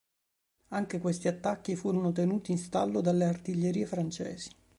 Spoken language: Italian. Anche questi attacchi furono tenuti in stallo dalle artiglierie francesi.